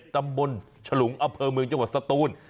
ตำบลฉลุงอำเภอเมืองจังหวัดสตูน